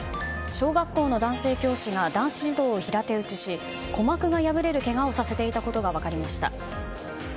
小学校の男性教師が男子児童を平手打ちし鼓膜が破れるけがをさせていたことが分かりました。